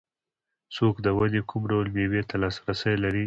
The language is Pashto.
څوک د ونې کوم ډول مېوې ته لاسرسی لري.